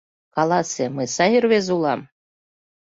Каласе: мый сай рвезе улам?